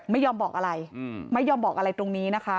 ไม่ยอมบอกอะไรไม่ยอมบอกอะไรตรงนี้นะคะ